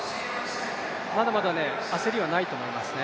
まだまだ焦りはないと思いますね。